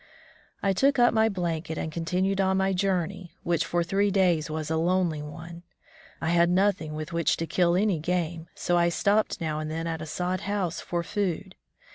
I took up my blanket and continued on my journey, which for three days was a lonely one. I had nothing with which to kill any game, so I stopped now and then at a sod house for food.